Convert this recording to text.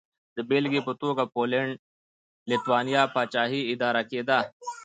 د بېلګې په توګه پولنډ-لېتوانیا پاچاهي اداره کېده.